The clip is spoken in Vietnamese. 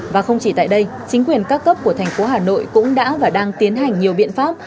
và không chỉ tại đây chính quyền các cấp của thành phố hà nội cũng đã và đang tiến hành nhiều biện pháp